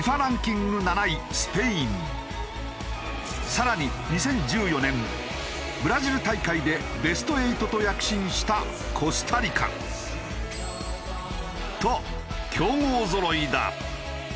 さらに２０１４年ブラジル大会でベスト８と躍進したコスタリカ。と強豪ぞろいだ。